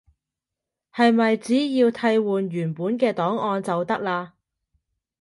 係咪只要替換原本嘅檔案就得喇？